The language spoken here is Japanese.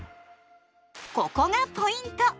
ここがポイント！